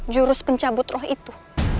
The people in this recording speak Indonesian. jurus pencabut roh itu